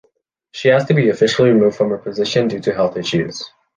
She asked to be officially removed from her position, due to health issues.